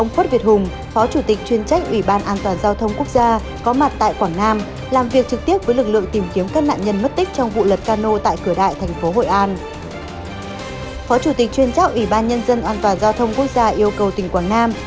phó chủ tịch chuyên trách ủy ban nhân dân an toàn giao thông quốc gia yêu cầu tỉnh quảng nam